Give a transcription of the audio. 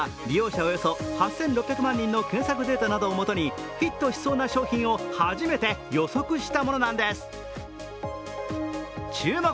およそ８６００万人の検索データなどをもとにヒットしそうな商品を初めて予測したものなんです。